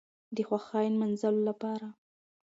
د خوښۍ نماځلو لپاره